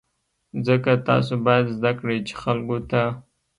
ځکه تاسو باید زده کړئ چې خلکو ته.